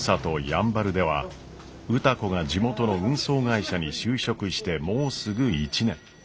やんばるでは歌子が地元の運送会社に就職してもうすぐ１年。